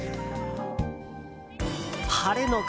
晴れの国